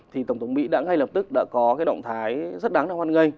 thì tổng thống mỹ đã ngay lập tức đã có cái động thái rất đáng hoan nghênh